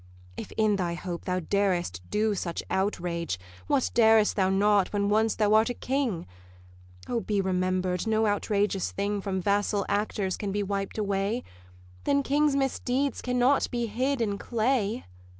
If in thy hope thou darest do such outrage, What darest thou not when once thou art a king? O, be remember'd, no outrageous thing From vassal actors can he wiped away; Then kings' misdeeds cannot be hid in clay.